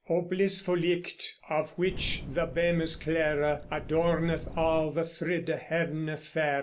O blisful light, of whiche the bemes clere Adorneth al the thridde hevene faire!